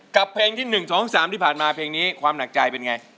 กับเพลงที่๑๒๓ที่ผ่านมาเพลงนี้ความหนักใจเป็นไง